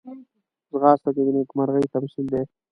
ځغاسته د نېکمرغۍ تمثیل دی